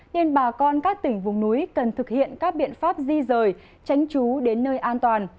nên bà con các tỉnh vùng núi cần thực hiện các biện pháp di rời tránh chú đến nơi an toàn